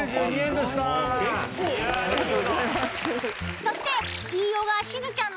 ［そして］